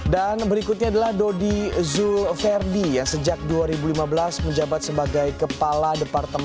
dan berikutnya adalah dodi zulverdi yang sejak dua ribu lima belas menjabat sebagai kepala departemen